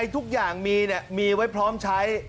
ทุกอย่างมีมีไว้พร้อมใช้